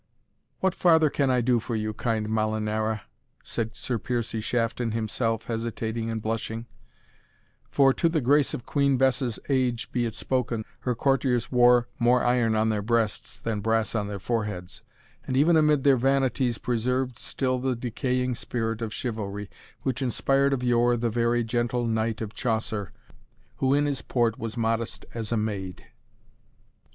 "What farther can I do for you, kind Molinara?" said Sir Piercie Shafton, himself hesitating and blushing; for, to the grace of Queen Bess's age be it spoken, her courtiers wore more iron on their breasts than brass on their foreheads, and even amid their vanities preserved still the decaying spirit of chivalry, which inspired of yore the very gentle Knight of Chaucer, Who in his port was modest as a maid.